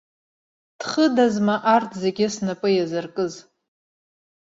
Дхыдазма арҭ зегь снапы иазыркыз?